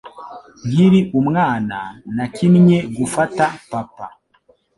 Nkiri umwana, nakinnye gufata papa.